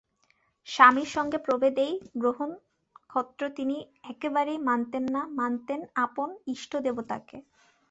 স্বামীর সঙ্গে প্রভেদ এই, গ্রহনক্ষত্র তিনি একেবারেই মানতেন না, মানতেন আপন ইষ্টদেবতাকে।